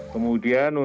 kemudian untuk rumah